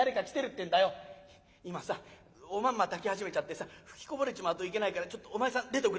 「今さおまんま炊き始めちゃってさ吹きこぼれちまうといけないからちょっとお前さん出ておくれよ」。